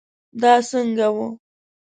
دا څنګه وه